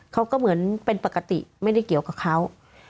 เขาก็เหมือนเป็นปกติไม่ได้เกี่ยวกับเขา